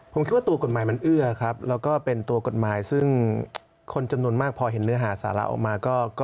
ผมคิดว่าตัวกฎหมายมันเอื้อครับแล้วก็เป็นตัวกฎหมายซึ่งคนจำนวนมากพอเห็นเนื้อหาสาระออกมา